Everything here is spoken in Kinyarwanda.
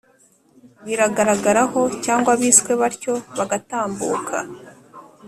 bigaragaraho cyangwa biswe batyo bagatambuka,